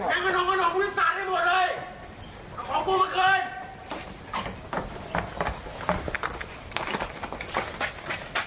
แม่งมันห่วงมันห่วงพุทธศาสตร์ได้หมดเลยเอาของกูมาเกิน